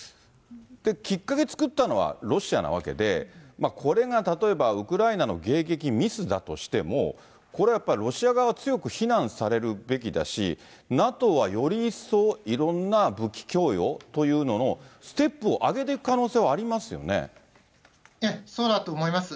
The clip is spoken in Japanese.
きっかけ作ったのはロシアなわけで、これが例えばウクライナの迎撃ミスだとしても、これはやっぱりロシア側は強く非難されるべきだし、ＮＡＴＯはより一層、いろんな武器供与というののステップを上げていく可能性はありまそうだと思います。